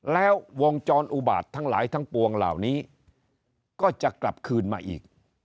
แล้ววงจรอุบาตทั้งหลายทั้งปวงเหล่านี้ก็จะกลับคืนมาอีก